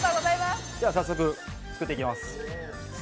では早速作っていきます。